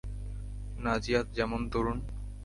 নাজিয়া যেমন তরুন?